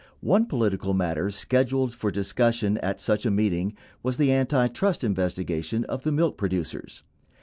One political matter scheduled for dis cussion at such a meeting was the antitrust investigation of the mi]k producers.